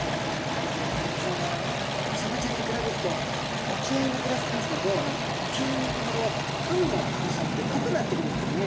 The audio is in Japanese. マグロちゃんはサバちゃんに比べると沖合に暮らしてますので沖合に行くほど海の青さってこくなってくるんですね。